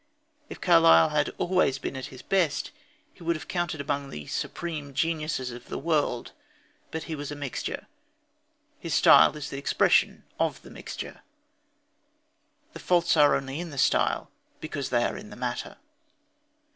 If Carlyle had always been at his best he would have counted among the supreme geniuses of the world. But he was a mixture. His style is the expression of the mixture. The faults are only in the style because they are in the matter.